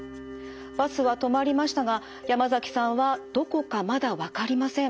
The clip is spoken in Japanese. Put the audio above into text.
バスは止まりましたが山崎さんはどこかまだわかりません。